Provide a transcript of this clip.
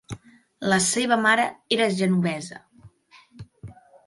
La seva mare era genovesa.